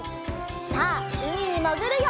さあうみにもぐるよ！